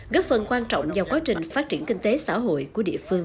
góp phần quan trọng vào quá trình phát triển kinh tế xã hội của địa phương